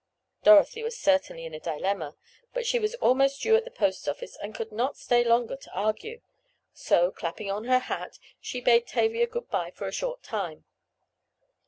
Dorothy was certainly in a dilemma. But she was almost due at the post office, and could not stay longer to argue, so, clapping on her hat, she bade Tavia good bye for a short time.